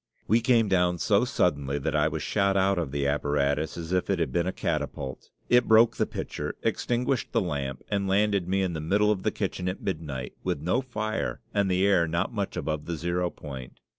We came down so suddenly that I was shot out of the apparatus as if it had been a catapult; it broke the pitcher, extinguished the lamp, and landed me in the middle of the kitchen at midnight, with no fire and the air not much above the zero point.